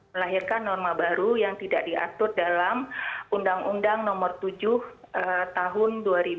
melahirkan norma baru yang tidak diatur dalam undang undang nomor tujuh tahun dua ribu dua